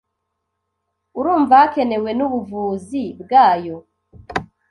Urumva Hakenewe n'ubuvuzi bwayo